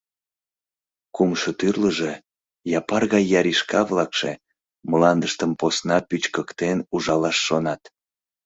Кумшо тӱрлыжӧ — Япар гай яришка-влакше, — мландыштым посна пӱчкыктен ужалаш шонат.